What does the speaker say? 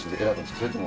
それとも。